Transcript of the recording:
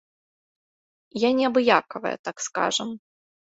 Я неабыякавая, так скажам.